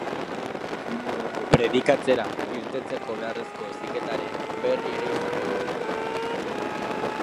Predikatzera irtetzeko beharrezko heziketaren berri ere izango dugu.